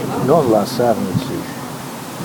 Non lassar me ci.